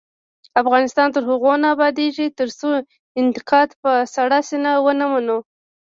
افغانستان تر هغو نه ابادیږي، ترڅو انتقاد په سړه سینه ونه منو.